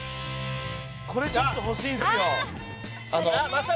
これちょっと欲しいんすよああ